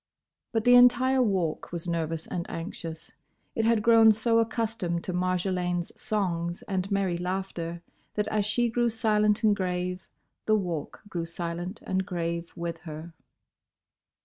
But the entire Walk was nervous and anxious. It had grown so accustomed to Marjolaine's songs and merry laughter, that as she grew silent and grave, the Walk grew silent and grave with her.